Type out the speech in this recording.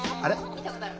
見たことある。